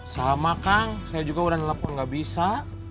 sama kang saya juga udah nelpon gak bisa